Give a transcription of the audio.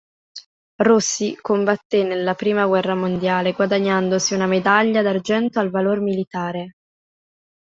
Rossi combatté nella I guerra mondiale, guadagnandosi una medaglia d'argento al valor militare.